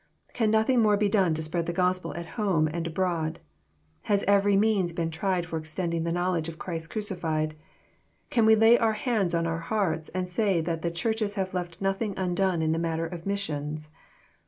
^' Can nothing more be done to spread the Gospel at home and abroad ? Has every means been tried for extending the knowledge of Christ crucified? Can we lay our hands on our hearts, and say that the Churches have left nothing undone in the matter of missions?